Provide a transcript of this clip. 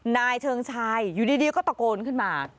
นายเชิงชายอยู่ดีก็ตะโกนขึ้นมา